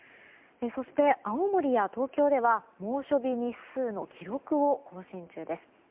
そして、青森や東京では猛暑日数の記録を更新中です。